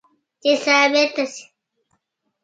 چې ثابته شي